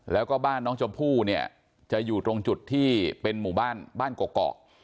แล้วก็บ้านน้องชมพู่เนี่ยจะอยู่ตรงจุดที่เป็นหมู่บ้านบ้านเกาะ